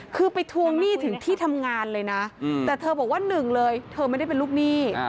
คือไปทวงหนี้ถึงที่ทำงานเลยนะแต่เธอบอกว่าหนึ่งเลยเธอไม่ได้เป็นลูกหนี้